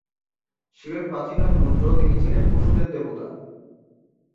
শিবের প্রাচীন নাম রুদ্র, তিনি ছিলেন পশুদের দেবতা।